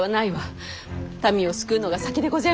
民を救うのが先でごぜえますじょ。